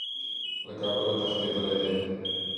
له کابله تښتېدلی دی.